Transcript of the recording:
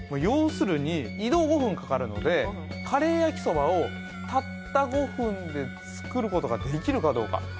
要するに移動５分かかるのでカレー焼きそばをたった５分で作ることができるかどうか。